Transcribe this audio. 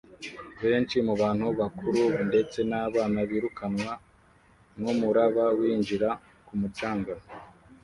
Benshi mu bantu bakuru ndetse n'abana birukanwa n'umuraba winjira ku mucanga